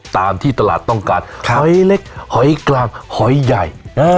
ตามที่ตลาดต้องการหอยเล็กหอยกลางหอยใหญ่